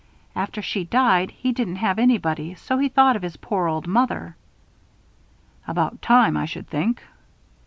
After she died he didn't have anybody, so he thought of his poor old mother " "About time, I should think."